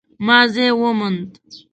ما ځای وموند